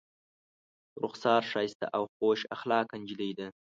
رخسار ښایسته او خوش اخلاقه نجلۍ ده.